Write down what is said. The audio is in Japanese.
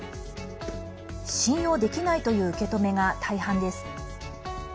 信用できないという受け止めが大半です。